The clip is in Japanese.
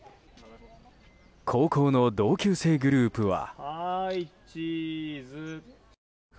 高校の同級生グループは。